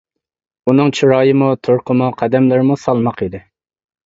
ئۇنىڭ چىرايىمۇ، تۇرقىمۇ، قەدەملىرىمۇ سالماق ئىدى.